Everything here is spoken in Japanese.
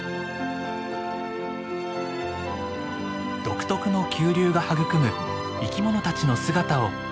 独特の急流が育む生き物たちの姿を見つめます。